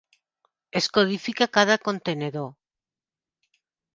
Es codifica cada contenidor.